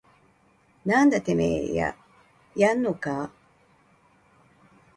なんだててめぇややんのかぁ